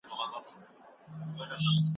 تاسي په خپلو خبرو کي هوښیاري لرئ.